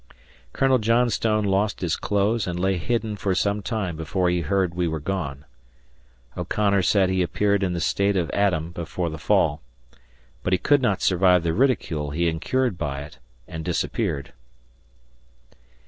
Colonel Johnstone lost his clothes and lay hidden for some time before he heard we were gone. O'Connor said he appeared in the state of Adam before the fall. But he could not survive the ridicule he incurred by it and disappeared.